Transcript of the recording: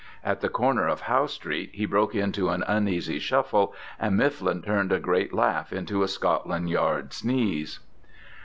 At the corner of Howe Street he broke into an uneasy shuffle, and Mifflin turned a great laugh into a Scotland Yard sneeze.